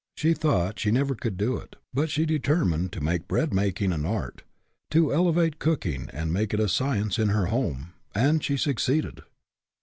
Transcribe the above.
She thought she never could do it, but she deter mined to make breadmaking an art ; to elevate cooking and make it a science in her home; and she succeeded.